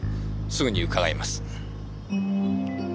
すぐに伺います。